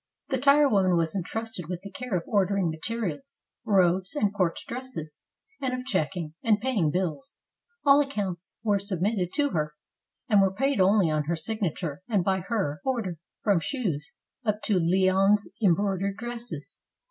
The tire woman was entrusted with the care of ordering materials, robes, and court dresses; and of checking and paying bills; all accounts were submitted to her, and were paid only on her signature and by her order, from shoes, up to Lyons embroidered dresses.